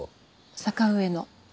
坂上の。